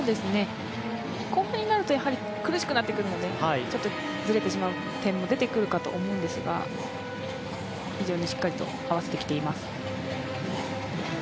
後半になるとやはり苦しくなってくるので、ちょっとずれてしまう点も出てくるかと思うんですが非常にしっかりと合わせてきています。